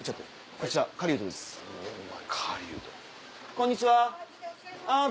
こんにちは。